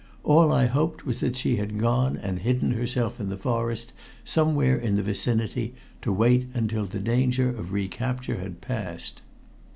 All I hoped was that she had gone and hidden herself in the forest somewhere in the vicinity to wait until the danger of recapture had passed.